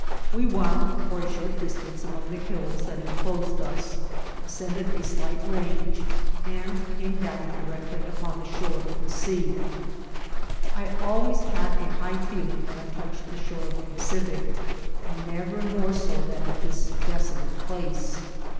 We wound for a short distance among the hills that enclosed us, ascended a slight range, and came down directly upon the shore of the sea. I always had a hif^ ieeling when I touched the shore of the Pacific, and never more so than at this desolate place.